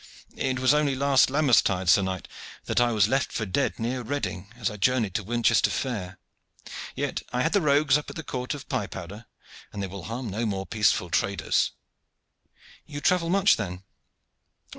"It was only last Lammastide, sir knight, that I was left for dead near Reading as I journeyed to Winchester fair. Yet I had the rogues up at the court of pie powder, and they will harm no more peaceful traders." "You travel much then!"